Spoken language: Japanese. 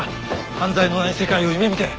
犯罪のない世界を夢見て。